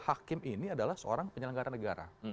hakim ini adalah seorang penyelenggara negara